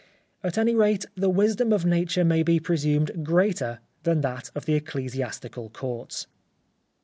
At any rate, the wisdom of Nature may be presumed greater than that of the Ecclesiastical Courts.